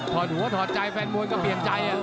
อดหัวถอดใจแฟนมวยก็เปลี่ยนใจ